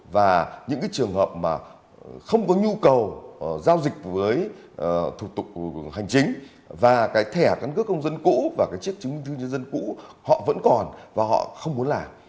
và những trường hợp không có nhu cầu giao dịch với thủ tục hành chính và cái thẻ căn cước công dân cũ và chiếc chiếc chiếc dân cũ họ vẫn còn và họ không muốn làm